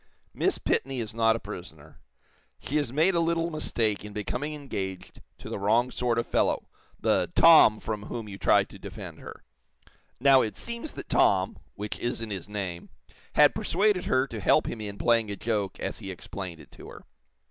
Miss Pitney is not a prisoner. She has made a little mistake in becoming engaged to the wrong sort of fellow the 'Tom' from whom you tried to defend her. Now, it seems that 'Tom' which isn't his name, had persuaded her to help him in playing a joke, as he explained it to her.